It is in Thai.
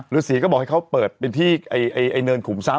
ฤษีก็บอกให้เขาเปิดเป็นที่ไอ้เนินขุมทรัพ